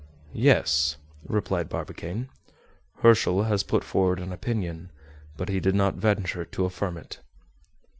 "Yes," replied Barbicane; "Herschel has put forward an opinion, but he did not venture to affirm it."